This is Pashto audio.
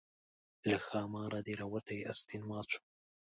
له ښاماره دې راوتى استين مات شو